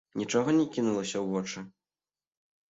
Нічога не кінулася ў вочы?